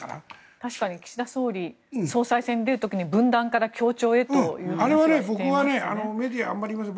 確かに岸田総理総裁選に出る時に分断から協調へという話をしていましたね。